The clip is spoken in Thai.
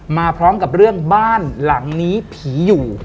มาพร้อมกับเรื่องบ้านหลังนี้ผีอยู่